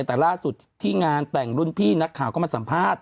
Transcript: แต่ล่าสุดที่งานแต่งรุ่นพี่นักข่าวก็มาสัมภาษณ์